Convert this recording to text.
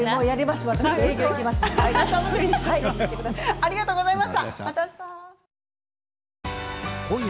ありがとうございます。